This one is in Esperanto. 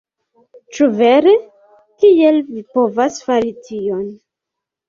"Ĉu vere? Kiel vi povas fari tion?"